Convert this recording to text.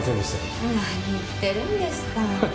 何言ってるんですか。